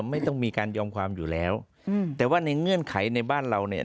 ไม่ต้องมีการยอมความอยู่แล้วอืมแต่ว่าในเงื่อนไขในบ้านเราเนี่ย